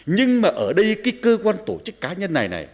nhưng mà ở đây cái cơ quan tổ chức cá nhân này này